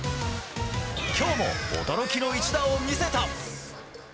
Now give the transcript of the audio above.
今日も驚きの一打を見せた。